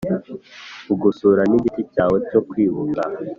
kugusura nigiti cyawe cyo kwibuka.